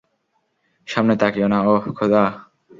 সামনে তাকিওনা ওহ, খোদা।